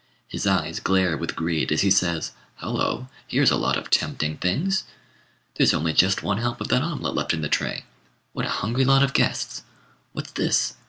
His eyes glare with greed, as he says, "Hullo! here's a lot of tempting things! There's only just one help of that omelette left in the tray. What a hungry lot of guests! What's this?